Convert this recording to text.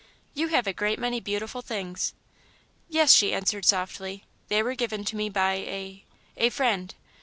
"You have a great many beautiful things." "Yes," she answered softly, "they were given to me by a a friend."